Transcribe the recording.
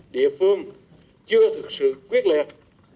địa phương chưa thực sự quyết liệt